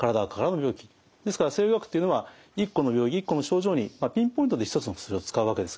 ですから西洋医学っていうのは一個の病気一個の症状にピンポイントで一つの薬を使うわけですけども。